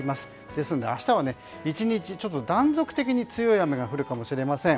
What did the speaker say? ですので明日は１日断続的に強い雨が降るかもしれません。